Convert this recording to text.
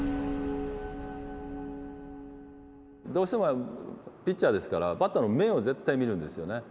どうしてもピッチャーですからバッターの目を絶対見るんですよね。